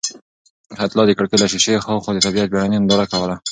حیات الله د کړکۍ له شیشې هاخوا د طبیعت بېړنۍ ننداره کوله.